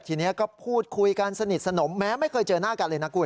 ทีนี้ก็พูดคุยกันสนิทสนมแม้ไม่เคยเจอหน้ากันเลยนะคุณ